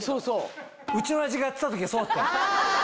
うちの親父がやってた時はそうだったの。